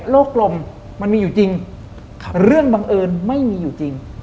โลกลมมันมีอยู่จริงเรื่องบังเอิญไม่มีอยู่จริง